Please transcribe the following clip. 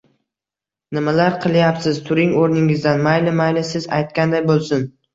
Nimalar qilyapsiz! Turing oʻrningizdan! Mayli, mayli siz aytganday boʻlsin!..